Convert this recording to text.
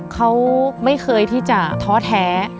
เขาไม่เคยที่จะท้อแท้